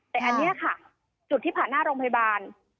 แต่อันนี้ค่ะจุดที่ผ่านหน้าโรงพยาบาล